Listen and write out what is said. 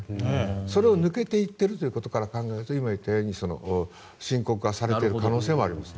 それを抜けていってるということから考えると今、言ったように申告はされている可能性はあります。